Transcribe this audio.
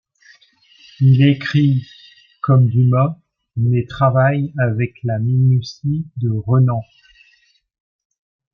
Il écrit comme Dumas, mais travaille avec la minutie de Renan.